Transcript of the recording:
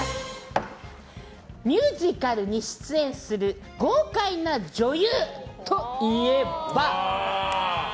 ミュージカルに出演する豪快な女優といえば？